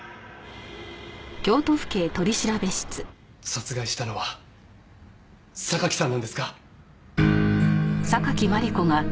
殺害したのは榊さんなんですか？